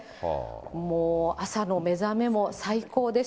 もう朝の目覚めも最高です。